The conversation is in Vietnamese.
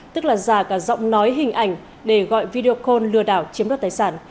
tức là giả cả giọng nói hình ảnh để gọi video call lừa đảo chiếm đoạt tài sản